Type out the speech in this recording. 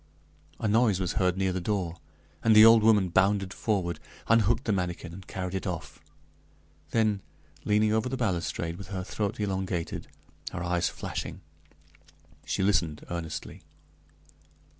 A noise was heard near the door, and the old woman bounded forward, unhooked the manikin and carried it off; then, leaning over the balustrade with her throat elongated, her eyes flashing, she listened earnestly.